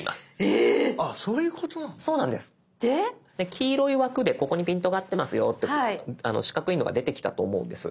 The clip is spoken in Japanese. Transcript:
黄色い枠でここにピントが合ってますよと四角いのが出てきたと思うんです。